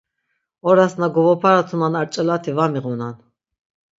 Oras na govoparatunon ar ç̌elati va miğunan.